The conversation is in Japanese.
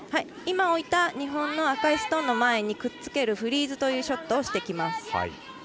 今、置いた日本の赤いストーンの前にくっつけるフリーズというショットをしてきます。